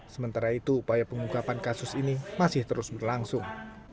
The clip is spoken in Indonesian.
sementara itu upaya pengungkapan kasus ini masih terus berlangsung